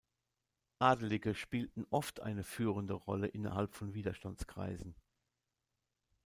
Adelige spielten eine oft führende Rolle innerhalb von Widerstandskreisen.